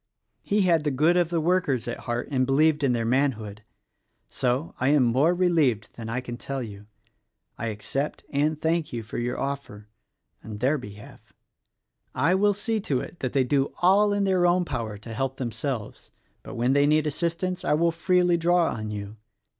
He had the good of the workers at heart and believed in their manhood. So, I am more relieved than I can tell you. I accept and thank you for your offer, in their behalf. I will see to it that they do all in their own power to help themselves; but when they need assist ance I will freely draw on you.